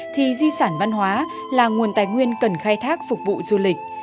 thì di sản văn hóa là nguồn tài nguyên cần khai thác phục vụ du lịch